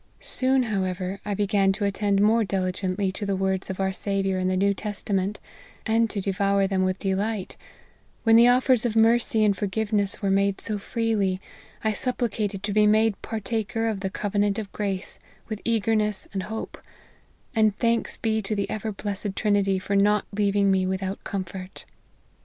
Soon, however, I began to attend more diligently to the words of our Saviour in the New Testament, and to devour them with delight ; when the offers of mercy and forgiveness were made so freely, I supplicated to be made partaker of the covenant of grace with eagerness and hope : and thanks be to the ever blessed Trinity for not leaving me without comfort. B 14 LIFE OF HENRY MARTVN.